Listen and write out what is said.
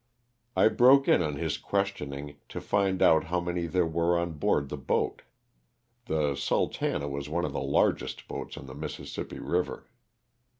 I broke in on his questioning to find out how many there were on board the boat. (The " Sul tana'' was one of the largest boats on the Mississippi river.)